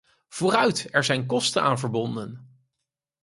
Vooruit, er zijn kosten aan verbonden.